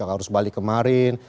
harus balik kemarin